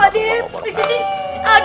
salam pak d